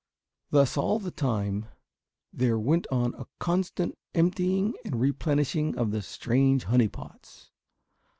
Thus all the time there went on a constant emptying and replenishing of the strange honey pots.